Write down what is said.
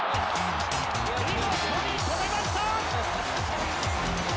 見事に止めました！